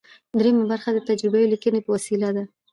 دریمه برخه د تجربوي لیکنې په وسیله ده.